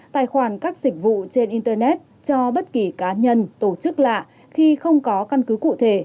tài khoản các dịch vụ trên internet cho bất kỳ cá nhân tổ chức lạ khi không có căn cứ cụ thể